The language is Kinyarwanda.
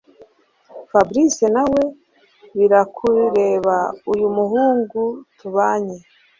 Fabric nawe birakureba uyu muhungu tubanye